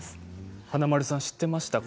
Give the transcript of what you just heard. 華丸さん知ってましたか？